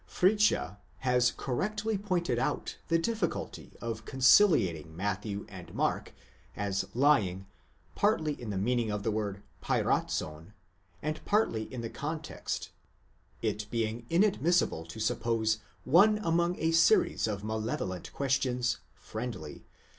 Fritzsche has correctly pointed out the difficulty of conciliating Matthew and Mark as lying, partly in the meaning of the word πειράζων, and partly in the context, it being inadmissible to suppose one among a series of malevolent questions, friendly, 21 Ueber den Ursprung u.